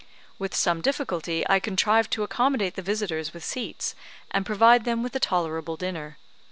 With some difficulty I contrived to accommodate the visitors with seats, and provide them with a tolerable dinner.